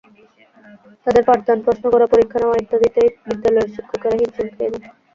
তাদের পাঠদান, প্রশ্ন করা, পরীক্ষা নেওয়া ইত্যাদিতেই বিদ্যালয়ের শিক্ষকেরা হিমশিম খেয়ে যান।